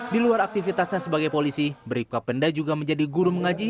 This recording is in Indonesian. di luar aktivitasnya sebagai polisi bribka penda juga menjadi guru mengaji